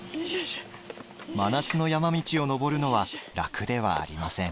真夏の山道を登るのは楽ではありません。